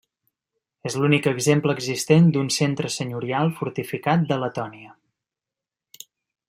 És l'únic exemple existent d'un centre senyorial fortificat de Letònia.